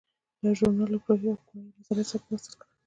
دا ژورنال اروپایي او امریکایي نظریات سره وصل کړل.